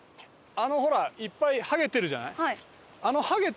ほらいっぱいはげてるじゃない？